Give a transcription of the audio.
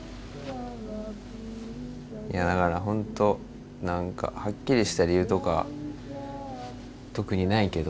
いやだから本当何かはっきりした理由とか特にないけど。